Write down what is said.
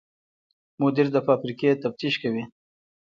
مدیر د فابریکې تفتیش کوي.